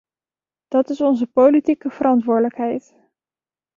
Dat is onze politieke verantwoordelijkheid.